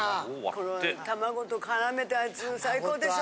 このたまごと絡めたやつ最高でしょ？